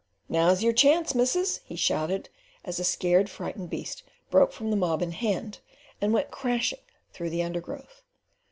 "Now's your chance, missus," he shouted, as a scared, frightened beast broke from the mob in hand, and went crashing through the undergrowth.